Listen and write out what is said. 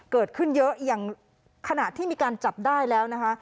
เกิดขึ้นเยอะอย่างขณะที่มีการจับได้แล้วนะคะ